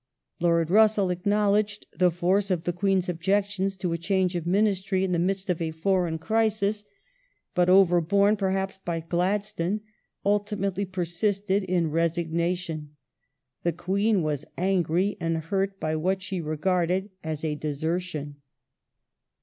Lord Russell acknow ledged the force of the Queen's objections to a change of Ministry in the midst of a foreign crisis, but, overborne, perhaps by Glad stone,^ ultimately persisted in resignAon. The Queen was angi y and hurt at what she regarded as a " desertion